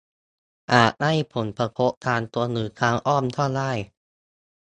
อาจให้ผลกระทบทางตรงหรือทางอ้อมก็ได้